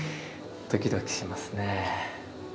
ドキドキしますね。